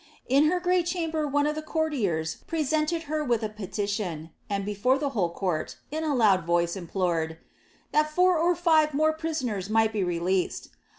In her grenl chamber one of her courliRrs presented her wiih El pviitiiin, and hefore the whole court, in a loud voice implorad ''that four or tive more priitnners might be released!"